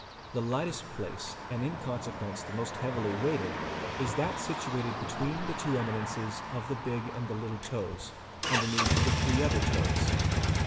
—The lightest place and in consequence the most heavily weighted is that situated between the two eminences of the big and the little toes, underneath the three other toes.